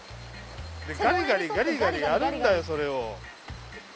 ガリガリガリガリやるんだよそれを。